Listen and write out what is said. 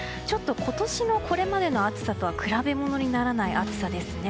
今年のこれまでの暑さとは比べ物にならない暑さですね。